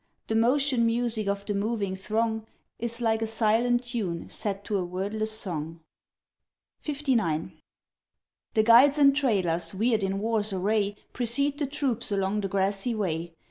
The motion music of the moving throng, Is like a silent tune, set to a wordless song. LX. The guides and trailers, weird in war's array, Precede the troops along the grassy way.